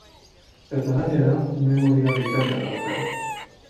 Eta gainera, memoria bikaina dauka.